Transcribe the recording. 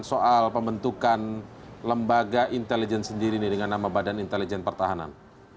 soal pembentukan lembaga intelijen sendiri nih dengan nama badan intelijen pertahanan